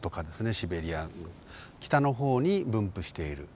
シベリア北の方に分布している。